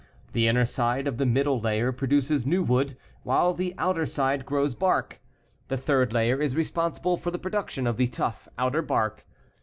The inner side of the middle layer produces new wood while the outer side grows bark. The third layer is responsible for the production of the tough, outer bark.